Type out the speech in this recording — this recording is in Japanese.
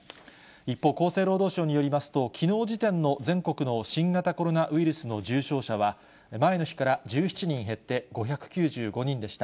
一方、厚生労働省によりますと、きのう時点の全国の新型コロナウイルスの重症者は、前の日から１７人減って、５９５人でした。